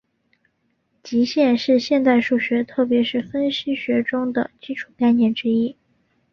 极限是现代数学特别是分析学中的基础概念之一。